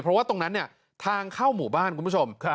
เพราะว่าตรงนั้นเนี่ยทางเข้าหมู่บ้านคุณผู้ชม